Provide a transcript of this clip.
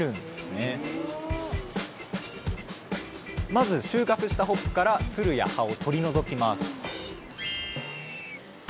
まず収穫したホップからつるや葉を取り除きます